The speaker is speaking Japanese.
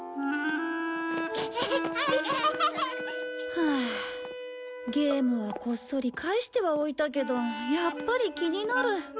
はあゲームはこっそり返してはおいたけどやっぱり気になる。